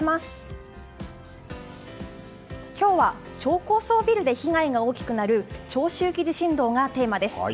今日は超高層ビルで大きくなる長周期地震動がテーマです。